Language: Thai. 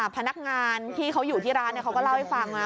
พนักงานที่เขาอยู่ที่ร้านเขาก็เล่าให้ฟังนะ